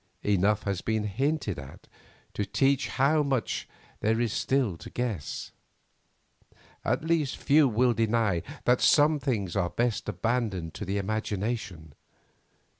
Enough has been hinted at to teach how much there is still to guess. At least few will deny that some things are best abandoned to the imagination.